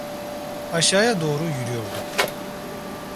Aşağıya doğru yürüyorduk.